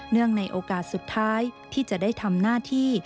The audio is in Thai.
ในโอกาสสุดท้ายที่จะได้ทำหน้าที่